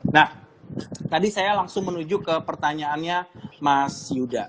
nah tadi saya langsung menuju ke pertanyaannya mas yuda